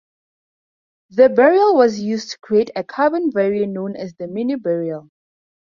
The Beryl was used to create a carbine variant known as the Mini-Beryl.